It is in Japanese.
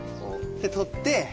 で撮って。